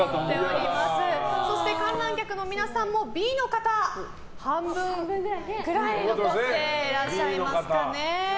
そして観覧客の皆さんもＢの方半分くらい残っていらっしゃいますかね。